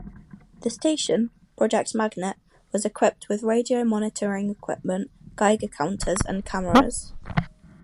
The station, Project Magnet, was equipped with radio monitoring equipment, Geiger counters and cameras.